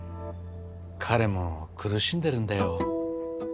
彼も苦しんでるんだよ